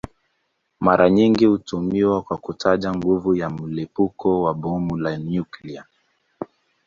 Mara nyingi hutumiwa kwa kutaja nguvu ya mlipuko wa bomu la nyuklia.